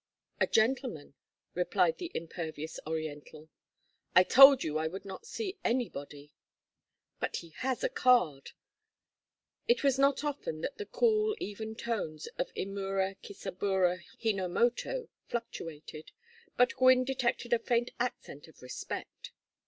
"A gentleman," replied the impervious Oriental. "I told you I would not see anybody." "But he has a card." It was not often that the cool even tones of Imura Kisabura Hinomoto fluctuated, but Gwynne detected a faint accent of respect.